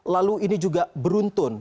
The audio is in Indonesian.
lalu ini juga beruntun